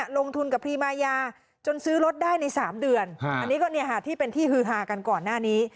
ลงทุนกับพรีมายาจนซื้อรถได้ใน๓เดือนอันนี้ก็ที่เป็นที่ฮือฮากันก่อนหน้านี้